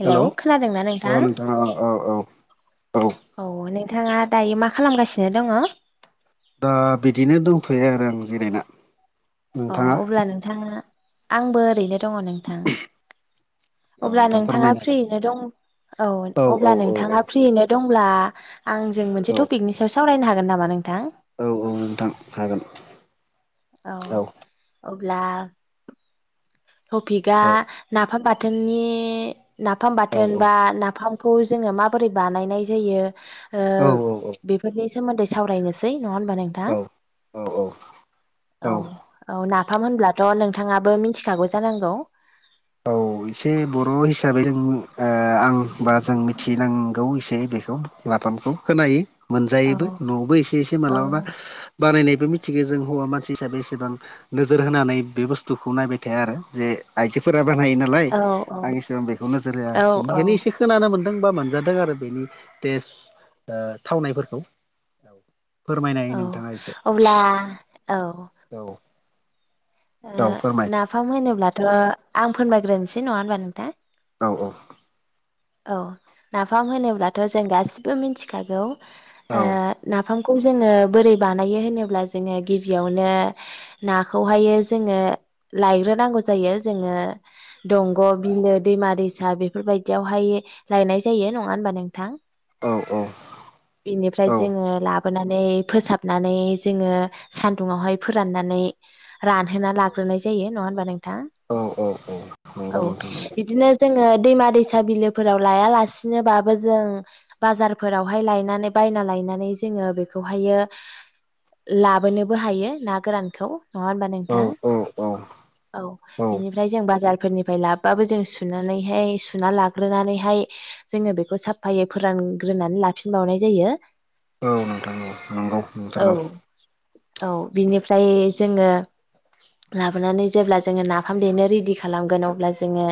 Hello खोनादोंना अ नोंथां? नोंथाङा औ औ औ नोंथाङा दायो मा खालामगासिनो दङ? ओ बिदिनो दंथ'यो आरो आं जिरायना अ नोंथाङा अब्ला नोंथाङा आंबो ओरैनो दङ नोंथां। औ अब्ला नोंथां नोंथाङा फोरमायनो हागोन फ्रियैनो दं औ औ अब्ला औ नोंथाङा फ्रियैनो दंब्ला आंजों औ मोनसे टपिकनि सायाव सावरायनो हागोन नामा नोंथां? औ औ नोंथां हागोन औ अब्ला टपिकआ औ नाफाम बाथोननि नाफाम औ बाथोन बा नाफाम खौ जोङो माबोरै बानाय जायो ओ औ बेफोरनि सोमोन्दै सावरायनोसै नङा ओमबा नों औ औ औ औ औ नाफाम होनब्लाथ' नोंथांआबो मिथिखागौ जानांगौ औ एसे बर' हिसाबै जों ओ आं बा जों मिथिनांगौ एसे बेखौ नाफामखौ खोनायो औ मोनजायोबो न'आवबो एसे एसे औ मालाबा हो बानायनायबो मिथिगौ जों हौवा मानसि हिसाबै एसेबां नोजोर होनानै बे बुस्थुखौ नायबाय थाया आरो जे आइजोफोरा बानायो ना नालाय औ आं इसेबां बेखौ नोजोर होया औ औ बेखायनो एसे खोनानो मोनदों बा मोनजादों आरो बेनि टेस्ट ओ थावनायफोरखौ औ फोरमायनाय औ नोंथांआ एसे अब्ला औ औ ओ औ फोरमाय नाफाम होनोब्लाथ' आं फोनबायग्रोनोसै नङा होमबा नोंथां औ औ औ नाफाम होनोब्लाथ' जों गासिबो मिथिखागौ ओ औ नाफामखौ जोङो बोरै बानायो होनोब्ला जोङो गिबिआवनो हो नाखौहायो जोङो लायग्रोनांगौ जायो जोङो दंग' बिलो दैमा दैसा बेफोरबायदिआव बेवहाय लायनाय जायो नङा होमबा नोंथां औ औ बिनिफ्राय जोंङो लाबोनानै फोसाबनानै जोंङो सान्दुंङावहाय फोराननानै रानहोना लाग्रोनाय जायो नंङा होमबा नोंथां औ औ औ नंगौ नोंथां औ जोंङो दैमा दैसा बिलोफोराव लायालासिनोबाबो जों बाजारफोरावहाय लायनानै बायना लायनानै जोङो बेखौहायो लाबोनोबो हायो ना गोरानखौ नङा होमबा औ नोंथां औ औ औ बिनिफ्राय जों बाजारफोरनिफ्राय लाबोबाबो जों सुनानैहाय सुना लाग्रोनानैहाय जोङो बेखौ साफायै फोरानग्रोनानै लाफिनबावनाय जायो औ नोंथां औ नोंगौ औ नंथारगौ औ बिनिफ्राय जोङो लाबोनानै जेब्ला जोङो नाफाम देनो रेदि खालामगोन अब्ला जोङो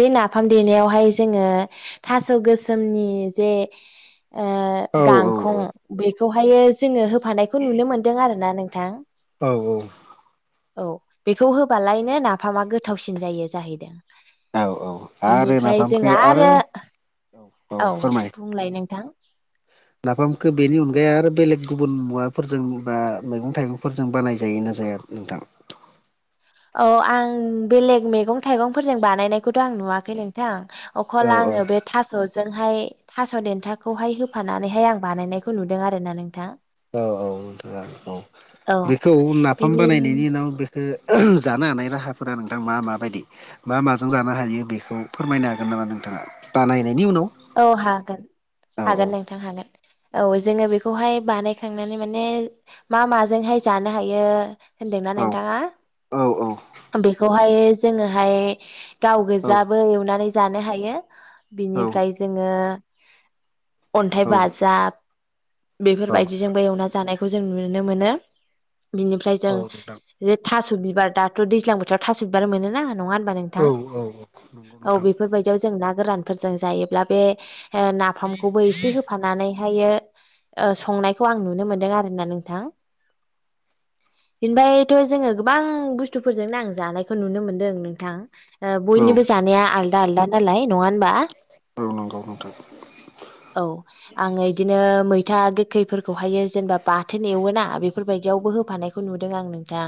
बे नाफाम देनायावहाय जोङो थास' गोसोमनि जे ओ औ औ गांखं बेखौहाय जोङो होफानायखौ नुनो मोनदों आरो ना नोंथां औ औ औ बेखौ होबालायनो नाफामा गोथावसिन जायो जाहैदों औ औ आरो बिनिफ्राय नाफामखौ जोङो आरो औ बुंलाय नोंथां नाफामखो बेनि अनगायै आरो बेलेग गुबुन मुवाफोरजों बा मैगं थाइगंफोरजों बानायजायोना जाया नोंथां औ आं बेलेग मैगं थाइगंफोरजों बानायनायखौथ' आं नुवाखै नों नोंथां औ अखल आङो बे थास'जोंहाय थास' देन्थाखौहाय होफानानैहाय आं बानायनायखौ नुदों आरोना नोंथां अ औ नोंथां औ औ बेखौ नाफाम बिनि बानायनायनि उनाव बे खौ जानो हानाय राहाफोरा नोंथां मा मा बायदि बा माजों जानो हायो बेखौ फोरमायनो हागोन नामा नोंथांआ बानायनायनि उनाव औ हागोन औ हागोन नोंथां हागोन औ जोङो बेखौहाय बानायखांनानै माने मा माजोंहाय जानो हायो होनदोंना औ नोंथांआ औ बेखौहाय जोङोहाय गाव औ गोजाबो एवनानै जानो हायो औ बिनिफ्राय जोंङो अन्थाइ बाजाब औ बेफोरबायदिजों बो एवना जानायखौ जों नुनो मोनो बिनिफ्राय जों औ नोंथां बेे थास' बिबार दाथ' दैज्लां बोथोराव थास' बिबार मोनोना नंङा होनबा नों नोंथां औ औ नंगौ औ नोंथां बेफोरबायदि जों ना गोरानफोरजों जायोब्ला बे नाफामखौबो एसे होफानानै बेहायो संनायखौ आं नुनो मोनदों आरोना नोंथां बेनिफ्रायथ' जोंङो गोबां बुस्थुफोरजोंनो आं जानायखौ नुनो मोनदों नोंथां औ बयनिबो जानाया आलादा आलदा नालाय नंङा होनबा औ नंगौ नोंथां औ आंङो बिदिनो मैथा गोखैफोरखौहायो जेनेबा बाथोन एवोना बेफोरबायदियावबो होफानाय खौ नुदों आं नोंथां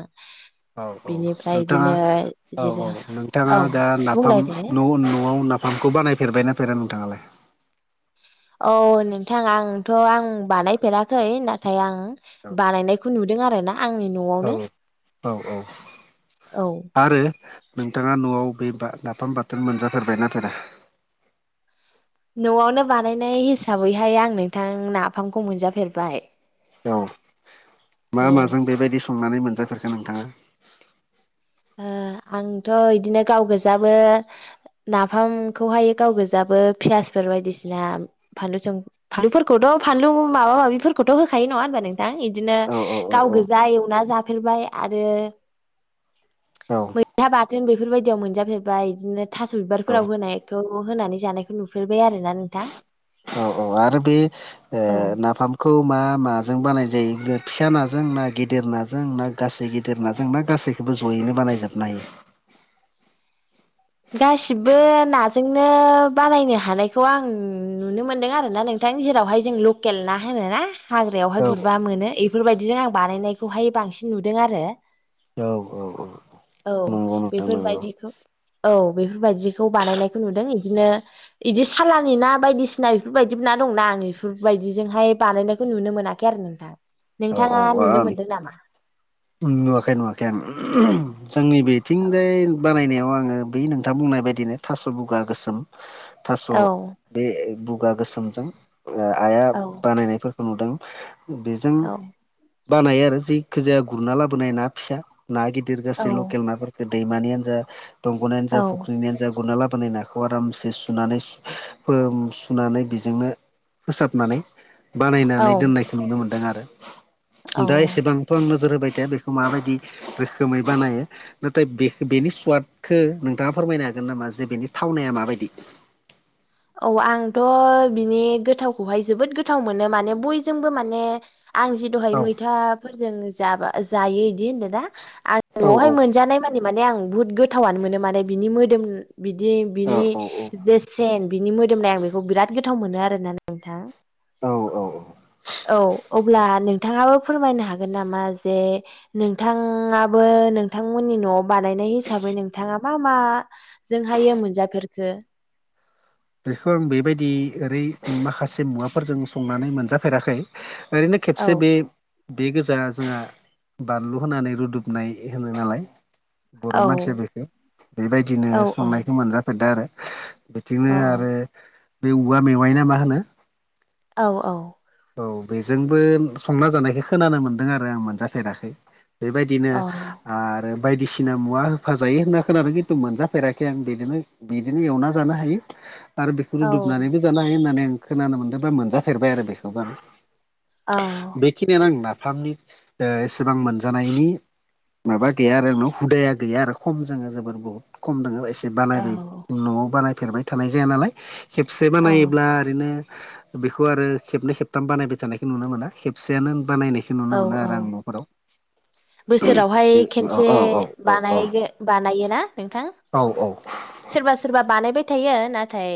औ औ बिनिफ्राय नोंथांङा इदिनो औ जिरा औ नोंथांङा औ दा नाफाम बुंलाय दे न'आव नाफाम नाफामखौ बानायफेरबायना फेरा नोंथांङालाय औ नोंथां आंथ' आं बानायफेराखै नाथाय आं बानायनायखौ नुदों आरो ना आंनि न'आव औ औ औ औ औ आरो नोंथांङा न'आव बेा नाफाम बाथोन मोनजाथेरबाय नाथाय ना न'आवनो बानायनाय हिसाबैहाय आं नोंथां नाफामखौ मोनजाफेरबाय औ मा औ ओ माजों बेबायदि संनानै मोनजाफेरखो नोंथांङा आंथ' इदिनो गाव गोजाबो नाफामखौहाय गाव गोजाबो पियासफोर बायदिसिना फानलुजों फानलुफोरखौथ' फानलु माबा माबिफोरखौथ' होखायो नंङा होनबा नों दां इदिनो औ औ गाव औ गोजा एवना जाफेरबाय आरो औ दा बाथोन बेफोरबायदियाव मोनजाफेरबाय बिदिनो थास' औ बिबारफोराव होनायखौ होनानै जानायखौ नु बेफोरबाय आरोना नोंथां औ आरो बे औ नाफाम खौ मा माजों बानाय जायो फिसा नाजों ना गिदिर नाजों ना गासै गिदिर नाजों ना गासै बेबो ज'यैनो बानायजोबनो हायो। गासिबो नाजोंनो बानायनो हानायखौ आं नुनो मोनदों आरो नोंथां ओंखायनो जेरावहाय जों लकेल ना होनो ना औ हाग्रायावहाय गुरबा मोनो बेफोरबायदिजों आं बानायनायखौहाय बांसिन नुदों आरो औ औ औ औ नंगौ नोंथां नंगौ बेफोरबायदिखौ औ बेफोरबायदिखौ बानायनायखौ नुदों बिदिनो बिदि सालानि ना बायदिसिना बेफोरबायदि ना दंना आं बेफोरबायदिजोंहाय बानायनायखौ नुनो मोनाखै आरो नोंथां औ नोंथांङा नुनो औ मोनदों नामा? नुवाखै नुवाखै आं जोंनि औ बेथिंजाय बानायनायाव आंङो बे नं खोंथा बुंनाय बायदिनो थास' बुगा गोसोम थास' औ बे बुगा गोसोमजों आइया औ बानायनायफोरखौ नुदों बेजों औ बानायो आरो जेखिजाया गुरना लाबोनाय ना फिसा ना गिदिर औ गासै लकेल नाफोरखौ दैमानियानो जा दंग'निनो जा औ फुख्रिनियानो जा गुरना लाबोनाय नाखौ आरामसे सुनानै सुनानै बेजोंनो फोसाबनानै औ बानायनानै दोननायखौ नुनो मोनदों आरो औ दा एसेबांथ' आंनो जोर होबाय थाया बेखौ माबायदि रोखोमै बानायो। नाथाय बे बेनि स्वादखौ नोंथांङा फोरमायनो हागोन नामा जे बेनि थावनाया माबायदि औ आंथ' बिनि गोथावखौहाय जोबोद गोथाव मोनो माने बयजोंबो माने आं जि दहाय औ मैथाफोरजों जाबा जायो बिदि होनदों दा आं औ न'आवहाय मोनजानाय माने माने आं बुहुत गोथावनो मोनो माने बिनि मोदोम बिदि औ बिनि औ जे सेन बिनि मोदोमनाय आं बेखौ बिराद गोथाव मोनो आरोना नोंथां औ औ औ अब्ला नोंथाङा फोरमायनो हागोन नामा जे नोंथाङाबो नोंथांमोननि न'आव बानायनाय हिसाबै नोंथाङा मा मा जोंहायो मोनजाफेरखो बेखौ आं बेबायदि ओरै माखासे मुवाफोरजों संनानै मोनजाफेराखै ओरैनो औ खेबसे बे बे गोजा जोंहा बानलु होनानै रुदुबनाय होनो नालाय बर' औ मानसिया बेखौ बेबायदिनो औ औ संनायखौ मोनजाफेरदों आरो। बिदिनो औ आरो बे औवा मेवाइ ना मा होनो औ-औ औ बेजोंबो संना जानायखौ खोनानो मोन्दों आरो आं मोनजाफेराखै। बेबायदिनो औ आरो बायदिसिना मुवा होफाजायो होनना खोनानो खिन्थु मोनजाफेराखै आं बिदिनो बिदिनो एवना जानो हायो। आरो बेखौ रुदबनानैबो जानो हायो होननानै आं खोनानो मोनदोंबा मोनजाफेरबाय आरो बेखौबो औ बेखिनियानो नाफामनि एसेबां मोनजानायनि माबा गैया आरो न हुदाया गैया आरो खम जोङो जोबोर बहुद खम दङ एसे बानायबाय न'आव बानायफेरबाय थानाय जाया नालाय खेबसे औ बानायोब्ला ओरैनो बेखौ आरो खेबनै खेबथाम बानायबाय थानायखौ नुनो मोना खेबसेयानो बानायनायखौ औ नुनो मोनो औ आरो आं न'फोराव [inaudible] बोसोरावहाय बे औ खनसे औ औ औ औ बानाय बानायोना नोंथां। औ औ सोरबा सोरबा बानायबाय थायो नाथाय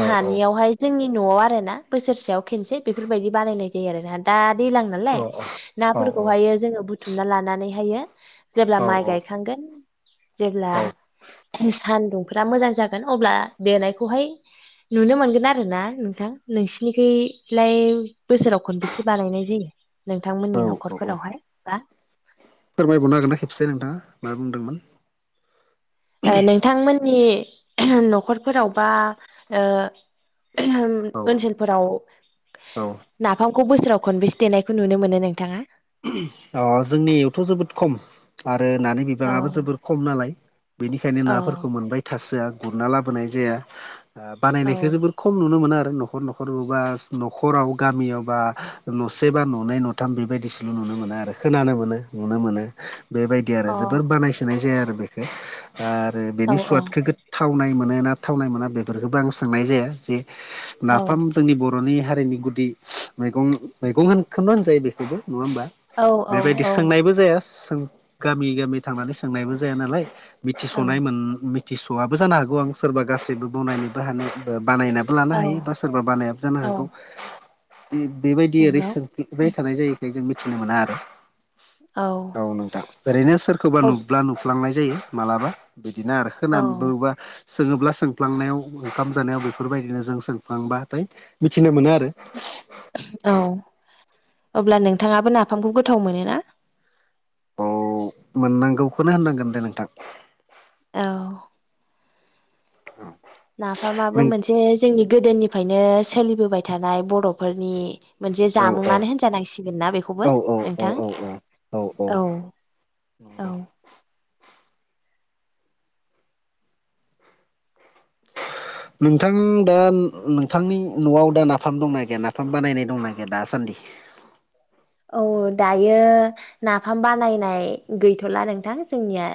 औ जोंनि न'आव आर ना बोसोरसेयाव खनसे बेफोरबायदि बानायनाय जायो आरो ना दा दैज्लां औ नालाय। नाफोरखौहायो जोङो बुथुमना लानानैहायो जेब्ला औ माइ गायखांगोन जेब्ला सानदुंफोरा मोजां जागोन अब्ला देनायखौहाय नुनो मोनगोन आरोना नोंथां नोंसिनिखैलाय बोसोराव खनबेसे बानायनाय जायो। नोंथांमोननि औ औ न'खरफोरावहाय बा फोरमायबावनो हागोन नना खेबसे नोंथाङा मा बुंदोंमोन। नोंथांमोननि न'खरफोराव बा ओ औ ओनसोलफोराव औ नाफाम खौ बोसोराव खनबेसे देनायखौ नुनो मोनो नोंथाङा? आं जोंनियावथ' जोबोद खम आरो नानि बि औ बाङाबो जोबोर खम नालाय बेनिखायनो औ नाफोरखौ मोनबाय थासोआ गुरना लाबोनाय जाया। औ बानायनायखौ जोबोर खम नुनो मोनो आरो न'खर न'खर बबा न'खराव गामियाव बा न'से बा न'नै नुथाम बेबायदि नुनो मोनो आरो खोनानो मोनो नुनो मोनो बेबायदि आरो अ जोबोर बानाय नाय जाया आरो बेखौ आरो औ बेनि सुवादखौ गो थावनाय मोनो ना थावनाय मोना बेफोरखौबो आं सोंनाय जाया जे नाफाम औ जोंनि बर'नि हारिनि गुदि मैगं मैगं होन खौनो होनजायो बेसोरबो नङा होमबा बेबायदि औ सोंनायबो जाया सों गामि गामि थांनानै सोंनायबो जाया नालाय मिथिस'नाय मोन स'आबो जानो हागौ आं सोरबा गासैबो बनायनोबो हानो बानायना लानो हायो बा सोरबा बानायाबो जानो हागौ औ बेबायदि ओरै नंगौ सोंफेबाय थानाय जायो। बे जों मिथिनो मोना आरो। औ औ नोंथां ओरैनो सोरखौबा औ नुब्ला नुफ्लांनाय जायो मालाबा। बिदिनो आरो औ नंगौ खोनाबोबा सोङोब्ला सोंफ्लांनायाव ओंखाम जानायाव बेफोरबायदिनो जों सोंफ्लांबाथाय मिथिनो मोनो आरो। ओ औ अब्ला नोंथाङाबो नाफामखौ गोथाव मोनोना? औ मोननांगौखौनो होननांगोन दे नोंथां। औ औ नाफामाबो मोनसे जोंनि गोदोनिफ्रायनो सोलिबोबाय थानाय बर'फोरनि मोनसे औ औ जामुङानो होनजानांसिगोन ना औ बेखौबो औ नोंथां औ औ औ नोंथां दा नोंथांनि न'वाव दा नाफाम दंना गैया नाफाम बानायनाय दंना गैया दासान्दि औ दायो नाफाम बानायनाय गैथ'ला नोंथां जोंनिया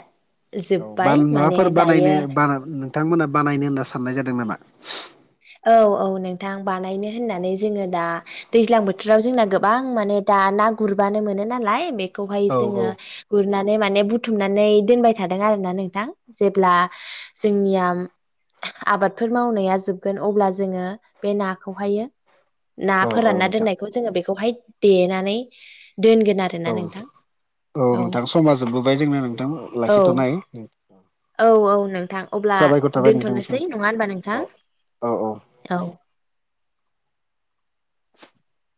औ जोब्बाय बान माने माबाफोर दायो बानायनो बा नोंथांमोना बानायनो होनना साननाय जादों नामा? औ औ नोंथां बानायनो होननानै जोङो दा दैज्लां बोथोराव जोंना गोबां माने दा ना गुरबानो मोनो नालाय बेखौहाय औ जोङो गुरनानै माने बुथुमनानै दोनबाय थादों आरोना नोंथां जेब्ला जोंनिया आबादफोर मावनाया जोब गोन अब्ला जोङो बे नाखौहायो ना औ फोरानना नोंथां दोननाय बेखौ जोङो बेखौहाय देनानै दोनगोन आरो औ औ नोंथां औ नोंथां समा जोबबोबाय जोंना नोंथां औ लाखिथ'नाय औ औ नोंथां अब्ला साबायखर थाबाय नोंथांनिसिम दोनथ'नोसै नङा ओनबा नोंथां औ औ औ औ [inaudible]